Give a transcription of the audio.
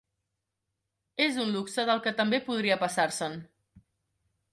Es un luxe del que també podria passar-se'n.